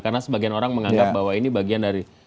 karena sebagian orang menganggap bahwa ini bagian dari